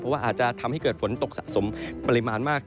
เพราะว่าอาจจะทำให้เกิดฝนตกสะสมปริมาณมาก